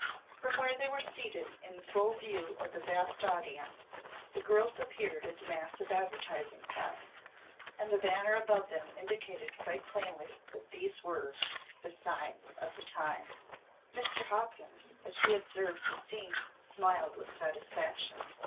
From where they were seated in full view of the vast audience the girls appeared as a mass of advertising signs, and the banner above them indicated quite plainly that these were the "Signs of the Times." Mr. Hopkins, as he observed this scene, smiled with satisfaction.